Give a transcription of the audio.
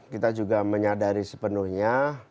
kita juga menyadari sepenuhnya